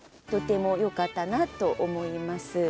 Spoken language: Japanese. とてもよかったなと思います。